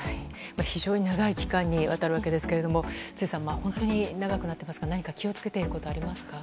非常に長い期間にわたるわけですが辻さん、本当に長くなっていますが何か気を付けていることはありますか。